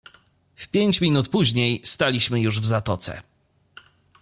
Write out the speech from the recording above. "W pięć minut później staliśmy już w zatoce."